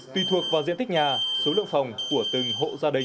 tùy thuộc vào diện tích nhà số lượng phòng của từng hộ gia đình